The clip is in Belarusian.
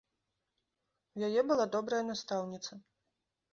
У яе была добрая настаўніца.